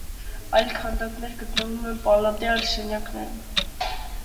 Այլ քանդակներ գտնվում են պալատի այլ սենյակներում։